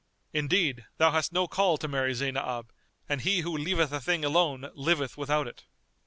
Indeed, thou hast no call to marry Zaynab, and he who leaveth a thing alone liveth without it."